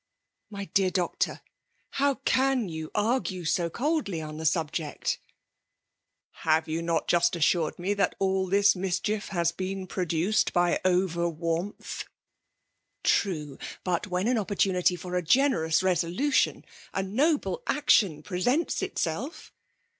''My dear doctor^ how can you a^ue so coldly on the sul^ject ?" 26Q' FvicA^B nomvxnas. "Have you not jttst assured me Chat all thi^ mischief; has been prodnced by over vrarmth?" *' True ! but when an opportunity for a generous resolution — a noble action presents itself?"